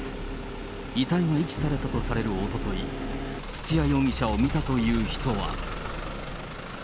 遺体が遺棄されたとされるおととい、土屋容疑者を見たという人は。